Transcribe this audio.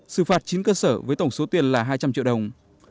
xử phạt chín cơ sở với tổng số tiền là hai trăm linh triệu đồng